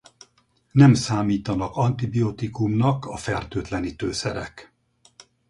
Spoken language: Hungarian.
Nem számítanak antibiotikumnak a fertőtlenítőszerek.